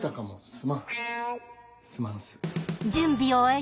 すまんす。